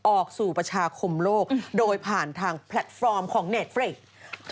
ออกสู่ประชาคมโลกโดยผ่านทางแพลตฟอร์มของเนตเฟรก